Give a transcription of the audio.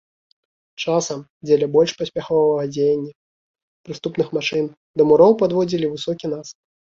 Часам, дзеля больш паспяховага дзеяння прыступных машын, да муроў падводзілі высокі насып.